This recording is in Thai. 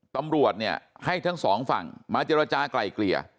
ตำรวจเนี่ยให้ทั้งสองฝั่งมาเจรจากลายเกลี่ย